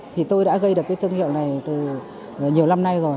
thì tôi đã gây được cái thương hiệu này từ nhiều năm nay rồi